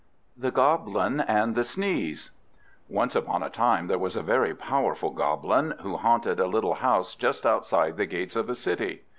THE GOBLIN AND THE SNEEZE Once upon a time there was a very powerful Goblin, who haunted a little house just outside the gates of a city.